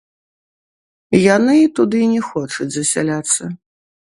Яны туды не хочуць засяляцца.